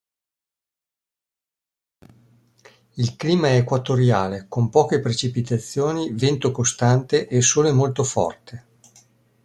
Il clima è equatoriale, con poche precipitazioni, vento costante e sole molto forte.